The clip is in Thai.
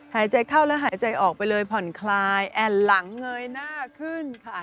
หายใจเข้าแล้วหายใจออกไปเลยผ่อนคลายแอ่นหลังเงยหน้าขึ้นค่ะ